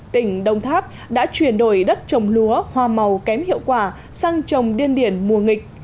tỉnh đồng tháp đã chuyển đổi đất trồng lúa hoa màu kém hiệu quả sang trồng điên điển mùa nghịch